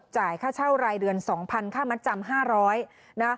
จ่ายค่าเช่ารายเดือน๒๐๐ค่ามัดจำ๕๐๐นะ